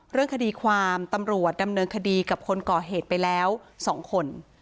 เรื่องคดีความตำรวจดำเนินคดีกับคนก่อเหตุไปแล้ว๒คน